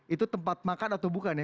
itu tempat makan atau bukan ya